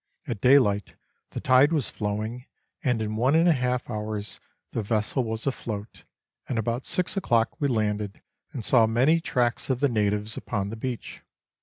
At daylight the tide was flowing, and in one and a half hours the vessel was afloat, and about six o'clock we landed and saw many tracks of the natives upon the beach.